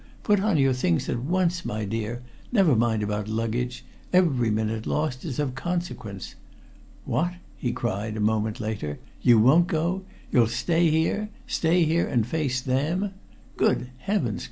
Put on your things at once, my dear. Never mind about luggage. Every minute lost is of consequence. What!" he cried a moment later. "You won't go? You'll stay here stay here and face them? Good Heavens!